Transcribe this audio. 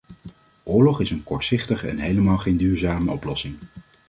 Oorlog is een kortzichtige en helemaal geen duurzame oplossing.